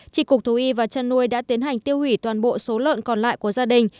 trị cục thú y và chăn nuôi đã tiến hành tiêu hủy toàn bộ số lợn còn lại của gia đình